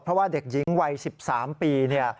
เพราะว่าเด็กหญิงวัย๑๓ปี